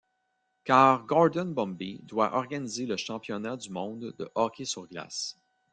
Car Gordon Bombay doit organiser le championnat du monde de hockey sur glace.